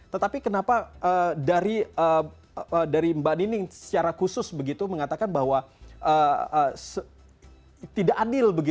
tetapi kenapa dari mbak nining secara khusus begitu mengatakan bahwa tidak adil